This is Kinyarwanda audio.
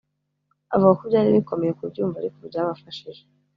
avuga ko byari bikomeye kubyumva ariko byabafashije